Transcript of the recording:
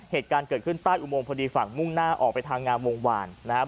เหตุการณ์เกิดขึ้นใต้อุโมงพอดีฝั่งมุ่งหน้าออกไปทางงามวงวานนะครับ